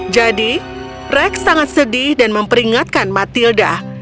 jadi rex sangat sedih dan memperingatkan matilda